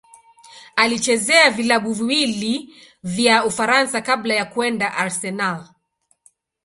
Alichezea vilabu viwili vya Ufaransa kabla ya kwenda Arsenal.